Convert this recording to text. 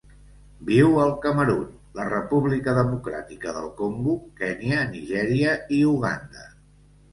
Viu al Camerun, la República Democràtica del Congo, Kenya, Nigèria i Uganda.